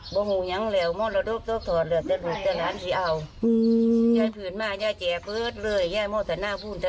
ซึ่งคุณวิเทียนซึ่งเป็นลูกสาวคุณยายบูรินที่เสียชีวิตค่ะ